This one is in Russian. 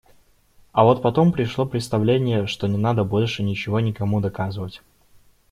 А вот потом пришло представление, что не надо больше ничего никому доказывать.